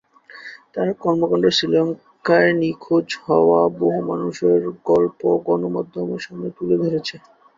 তার কর্মকাণ্ড শ্রীলঙ্কায় নিখোঁজ হওয়া বহু মানুষের গল্প গণমাধ্যমের সামনে তুলে ধরেছে।